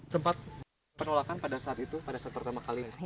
sempat penolakan pada saat itu pada saat pertama kalinya